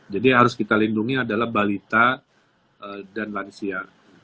jadi harus kita lindungi adalah balita dan lansia